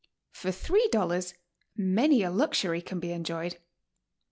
For three dollars many a luxury can be enjoyed.